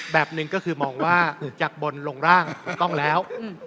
แบบหนึ่งก็คือมองว่าจากบนลงร่างถูกต้องแล้ว